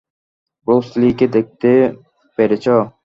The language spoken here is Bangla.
ব্রুস লি-কে দেখতে পেরেছ?